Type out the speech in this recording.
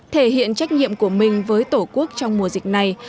thể hiện trách nhiệm của mình với tổ quốc trong mùa dịch này